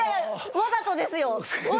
わざとですよ。